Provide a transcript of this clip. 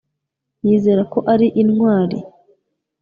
Yizera ko ari intwari